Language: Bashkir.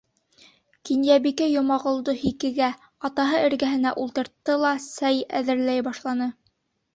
Кинйәбикә Йомағолдо һикегә, атаһы эргәһенә, ултыртты ла сәй әҙерләй башланы.